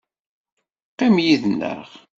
Qqim yid-nneɣ.